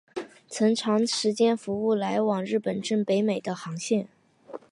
曾长时间服务来往日本至北美的航线。